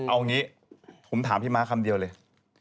เอางี้ผมถามพี่ม้าคำเดียวเลย